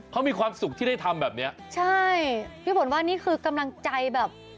เขามีความสุขที่ได้ทำแบบเนี้ยใช่พี่ฝนว่านี่คือกำลังใจแบบ